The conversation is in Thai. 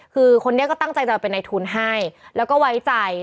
คือคนนี้ก็ตั้งใจจะเป็นในทุนให้แล้วก็ไว้ใจ